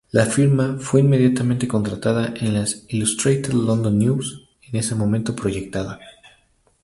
La firma fue inmediatamente contratada en la "Illustrated London News", en ese momento proyectada.